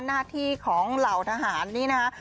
หน้าที่ของเหล่าทหารนี่นะคะ